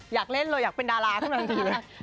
อยากเล่นเลยอยากเป็นดาราทั้งหมดทีเลย